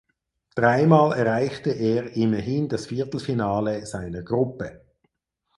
Dreimal erreichte er immerhin das Viertelfinale seiner Gruppe.